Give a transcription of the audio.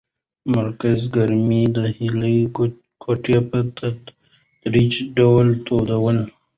مرکز ګرمۍ د هیلې کوټه په تدریجي ډول تودوله.